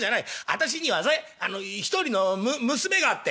私にはね１人の娘があって」。